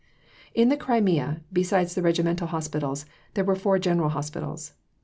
In the Crimea, besides the regimental hospitals, there were four general hospitals.